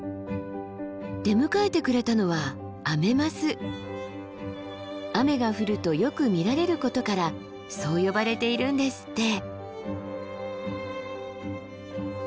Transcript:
出迎えてくれたのは雨が降るとよく見られることからそう呼ばれているんですって。